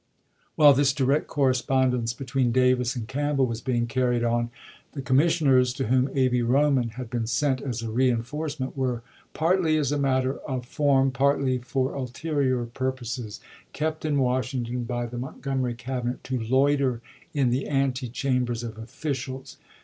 While this direct correspondence between Davis and Campbell was being carried on, the commis sioners, to whom A. B. Roman had been sent as a reenforcement, were, partly as a matter "of form, partly for ulterior purposes, kept in Wash ington by the Montgomery cabinet to "loiter in the ante chambers of officials."